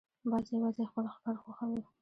باز یوازې خپل ښکار خوښوي